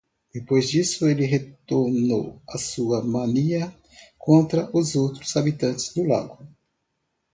Depois disso, ele retornou à sua mania contra os outros habitantes do lago.